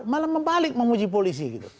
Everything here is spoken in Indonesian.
malah membalik memuji polisi gitu